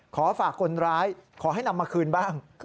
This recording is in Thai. ขอฝากคนร้ายขอให้นำมาคืนบ้าง